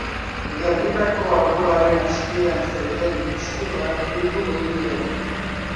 Gernikako arbolaren azpian zeuden ezkurrak bildu genituen